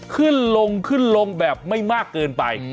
ขึ้นลงขึ้นลงแบบไม่มากเกินไป